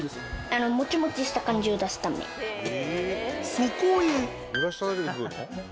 ［そこへ］